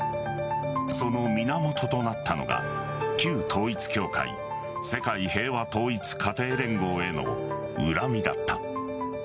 その源となったのが旧統一教会世界平和統一家庭連合への恨みだった。